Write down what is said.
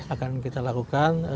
akan kita lakukan